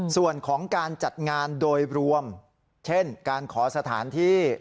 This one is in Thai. ส่วนของการจัดงานโดยรวมเช่นการขอสถานที่